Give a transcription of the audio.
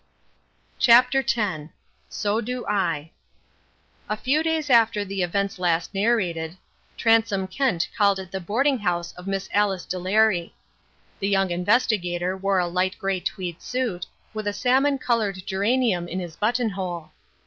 CHAPTER X SO DO I A few days after the events last narrated, Transome Kent called at the boarding house of Miss Alice Delary. The young Investigator wore a light grey tweed suit, with a salmon coloured geranium in his buttonhole.